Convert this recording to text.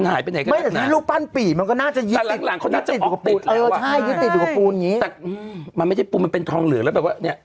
แต่หลังคนน่าจะออกติดแล้วว่ะใช่คือติดอยู่กับปูนอย่างนี้แต่มันไม่ใช่ปูมันเป็นทองเหลือแล้วแบบว่าเนี่ย